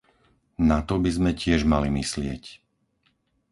Na to by sme tiež mali myslieť.